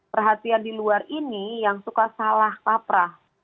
perhatian di luar ini yang suka salah kaprah